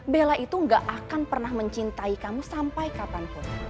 bella itu gak akan pernah mencintai kamu sampai kapanpun